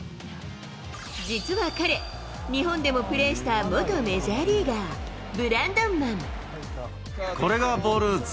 実は彼、日本でもプレーした元メジャーリーガー、ブランドン・マン。